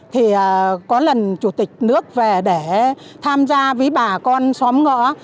thì có lần chủ tịch nước về để tham gia với bà con xóm ngõ